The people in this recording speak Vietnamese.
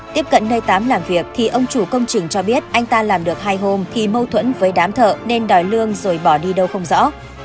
tiếp cận nơi tám làm việc thì ông chủ công trình cho biết anh ta làm được hai hôm thì mâu thuẫn với đám thợ nên đòi lương rồi bỏ đi đâu không rõ